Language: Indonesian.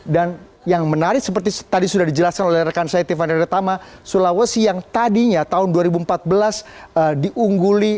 dan yang menarik seperti tadi sudah dijelaskan oleh rekan saya tifan rada tama sulawesi yang tadinya tahun dua ribu empat belas diungguli